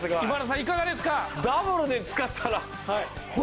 いかがですか？